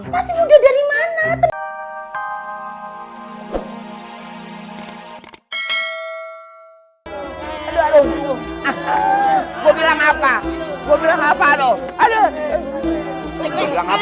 masih muda dari mana